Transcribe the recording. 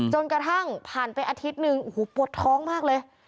จนกระทั่งผ่านไปอาทิตย์หนึ่งโอ้โหปวดท้องมากเลย